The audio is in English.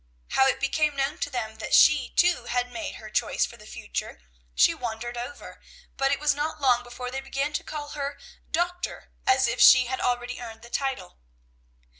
How it became known to them that she, too, had made her choice for the future, she wondered over; but it was not long before they began to call her "Dr!" as if she had already earned the title.